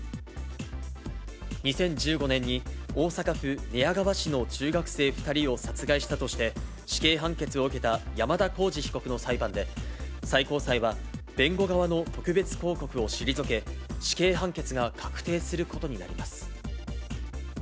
２０１５年に大阪府寝屋川市の中学生２人を殺害したとして、死刑判決を受けた山田浩二被告の裁判で、最高裁は、弁護側の特別抗告を退け、死刑判決が確定することになります。